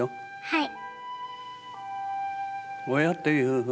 はい。